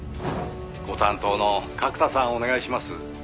「ご担当の角田さんお願いします」